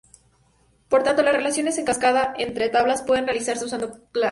Por tanto, las relaciones en cascada entre tablas pueden realizarse usando claves foráneas.